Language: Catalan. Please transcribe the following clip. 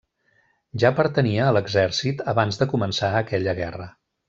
Ja pertanyia a l'exèrcit abans de començar aquella guerra.